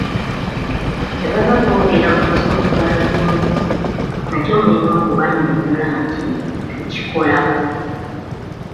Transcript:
Bwe baba boogera ku nsonga ng'enguzi nakyo mulina okubannyonnyola nti tukikolako.